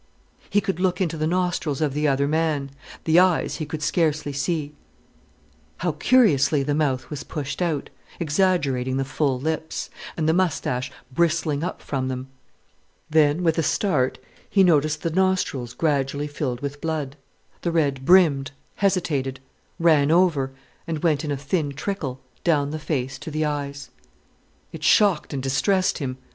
He could look into the nostrils of the other man, the eyes he could scarcely see. How curiously the mouth was pushed out, exaggerating the full lips, and the moustache bristling up from them. Then, with a start, he noticed the nostrils gradually filled with blood. The red brimmed, hesitated, ran over, and went in a thin trickle down the face to the eyes. It shocked and distressed him.